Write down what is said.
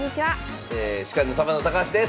司会のサバンナ高橋です。